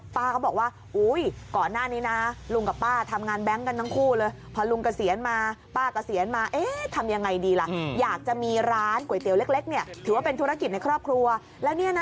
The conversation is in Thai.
ป้าก็บอกว่าก่อนหน้านี้นะลุงกับป้าทำงานแบงค์กันทั้งคู่เลย